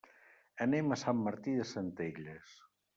Anem a Sant Martí de Centelles.